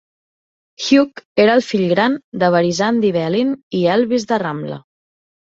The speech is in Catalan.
Hugh era el fill gran de Barisan d'Ibelin i Helvis de Ramla.